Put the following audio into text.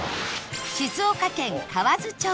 静岡県河津町